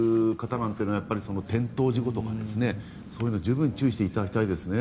なんというのは転倒事故とかそういうのに十分注意していただきたいですね。